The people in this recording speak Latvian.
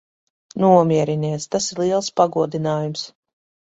Nomierinies. Tas ir liels pagodinājums.